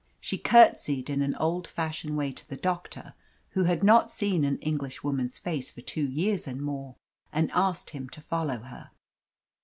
She curtsied in an old fashioned way to the doctor, who had not seen an Englishwoman's face for two years and more, and asked him to follow her.